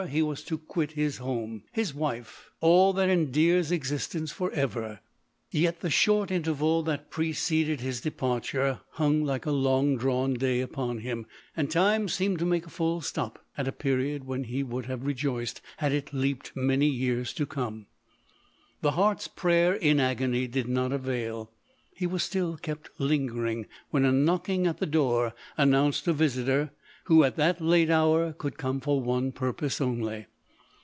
169 he was to quit his home, his wife, all that en dears existence, for ever : yet the short interval that preceded his departure hung like a long drawn day upon him ; and time seemed to make a full stop, at a period when he would have rejoiced had it leaped many years to come. The heart's prayer in agony did not avail : he was still kept lingering, when a knocking at the door announced a visitor, who, at that late hour, could come for one purpose only.